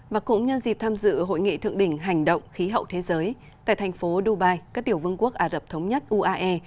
và cũng nhân dịp tham dự hội nghị thượng đỉnh hành động khí hậu thế giới tại thành phố dubai các tiểu vương quốc ả rập thống nhất uae